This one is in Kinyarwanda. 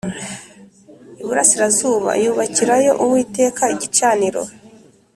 iburasirazuba yubakirayo uwiteka igicaniro